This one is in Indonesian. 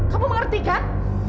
kamu mengerti kan